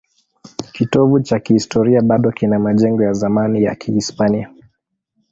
Kitovu cha kihistoria bado kina majengo ya zamani ya Kihispania.